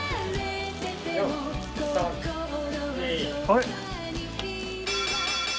はい！